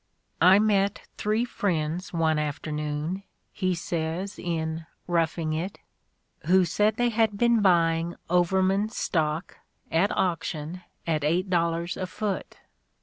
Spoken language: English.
"I met three friends one afternoon," he says in "Roughing It," "who said they had been buying 'Overman' stock at auction at eight dollars a foot.